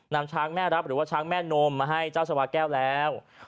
นำช้างแม่รับหรือว่าช้างแม่นมมาให้เจ้าชาวาแก้วแล้ว